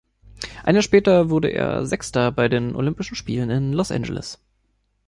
Ein Jahr später wurde er Sechster bei den Olympischen Spielen in Los Angeles.